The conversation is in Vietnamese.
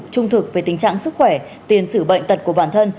trung thực về tình trạng sức khỏe tiền sử bệnh tật của bản thân